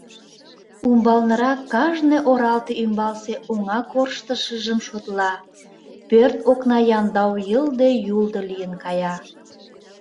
Умбалнырак кажне оралте ӱмбалсе оҥа корштышыжым шотла, пӧрт окна яндау йылде-юлдо лийын кая.